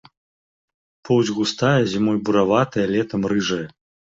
Поўсць густая, зімой бураватая, летам рыжая.